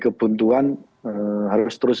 kebuntuan harus terus